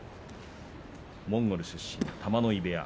モンゴル出身、玉ノ井部屋。